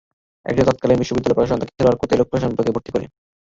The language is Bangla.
এরপর তৎকালীন বিশ্ববিদ্যালয় প্রশাসন তাঁকে খেলোয়াড় কোটায় লোকপ্রশাসন বিভাগে ভর্তি করে।